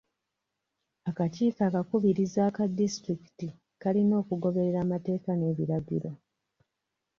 Akakiiko akakubirizi aka disitulikiti kalina okugoberera amateeka n'ebiragiro.